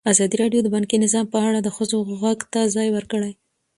ازادي راډیو د بانکي نظام په اړه د ښځو غږ ته ځای ورکړی.